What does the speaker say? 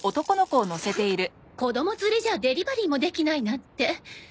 子供連れじゃデリバリーもできないなんて。